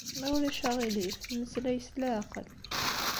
Ma ulac aɣilif, mmeslay s leɛqel.